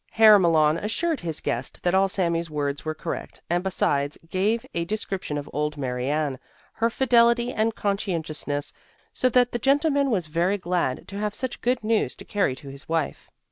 Herr Malon assured his guest that all Sami's words were correct and besides gave a description of Old Mary Ann, her fidelity and conscientiousness, so that the gentleman was very glad to have such good news to carry to his wife.